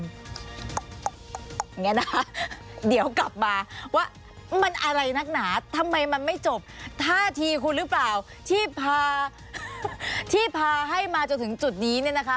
อย่างนี้นะคะเดี๋ยวกลับมาว่ามันอะไรนักหนาทำไมมันไม่จบท่าทีคุณหรือเปล่าที่พาที่พาให้มาจนถึงจุดนี้เนี่ยนะคะ